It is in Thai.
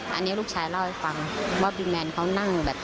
อันนี้ลูกชายเล่าให้ฟังว่าพี่แมนเขานั่งแบบ